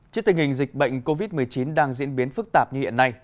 trước tình hình dịch bệnh covid một mươi chín đang diễn biến phức tạp như hiện nay